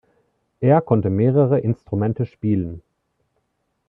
Er konnte mehrere Instrumente spielen.